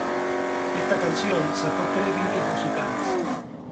Esta canción sacó tres vídeos musicales.